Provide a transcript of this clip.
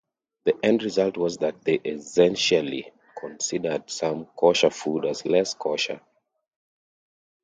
The end result was that they essentially considered some kosher food as less kosher.